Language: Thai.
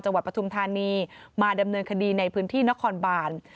ปฐุมธานีมาดำเนินคดีในพื้นที่นครบาน